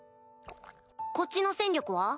こっちの戦力は？